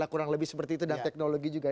karena kurang lebih seperti itu dan teknologi juga